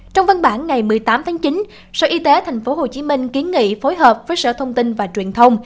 trong văn bản ngày một mươi tám tháng chín sở y tế tp hcm kiến nghị phối hợp với sở thông tin và truyền thông